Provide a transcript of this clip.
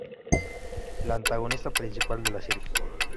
La antagonista principal de la serie.